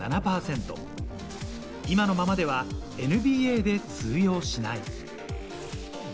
今のままではＮＢＡで通用しない。